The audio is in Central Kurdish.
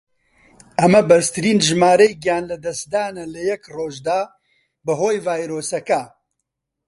ئەمە بەرزترین ژمارەی گیان لەدەستدانە لە یەک ڕۆژدا بەهۆی ڤایرۆسەکە.